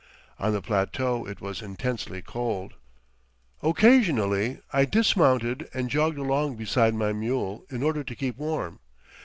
On the plateau it was intensely cold. Occasionally I dismounted and jogged along beside my mule in order to keep warm.